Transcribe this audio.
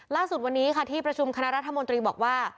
ล่าสุดวันนี้ค่ะที่ประชุมคณะรัฐมนตรีบอกว่า